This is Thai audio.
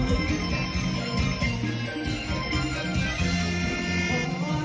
ขอบคุณทุกคน